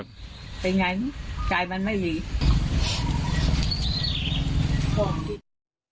เป็นไงกายมันไม่ดี